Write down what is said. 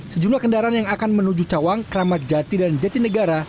sejumlah kendaraan yang akan menuju cawang keramat jati dan jati negara